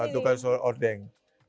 atau soal ordeng